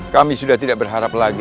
kami sudah tidak berharap lagi